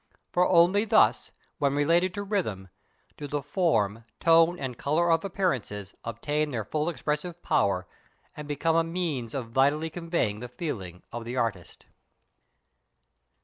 For only thus, when related to rhythm, do the form, tone, and colour of appearances obtain their full expressive power and become a means of vitally conveying the feeling of the artist.